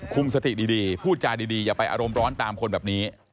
สติดีพูดจาดีอย่าไปอารมณ์ร้อนตามคนแบบนี้